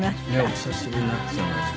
お久しぶりになってしまいました。